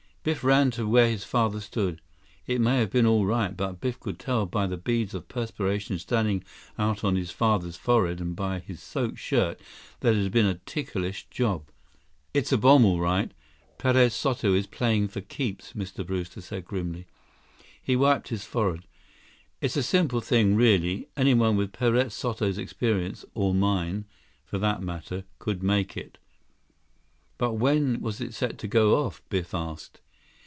Biff ran to where his father stood. It may have been all right, but Biff could tell by the beads of perspiration standing out on his father's forehead and by his soaked shirt, that it had been a ticklish job. 95 "It's a bomb, all right. Perez Soto is playing for keeps," Mr. Brewster said grimly. He wiped his forehead. "It's a simple thing, really. Anyone with Perez Soto's experience, or mine, for that matter, could make it." "But when was it set to go off?" Biff asked.